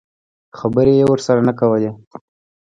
خبرې یې ورسره نه کولې.